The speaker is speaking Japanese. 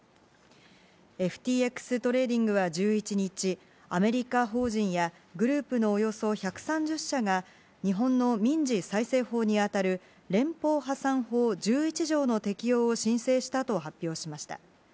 ＦＴＸトレーディングは１１日、アメリカ法人やグループのおよそ１３０社が日本の民事再生法にあたる連邦破産法１１条と適用を申請したと発表しました。